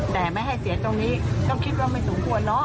แต่ไม่ให้เสียตรงนี้ต้องคิดว่าไม่สมควรเนาะ